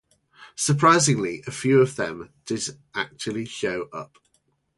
Surprisingly, a few of them did actually show up.